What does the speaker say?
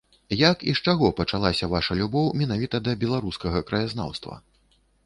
Як і з чаго пачалася ваша любоў менавіта да беларускага краязнаўства?